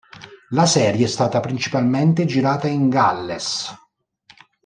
La serie è stata principalmente girata in Galles.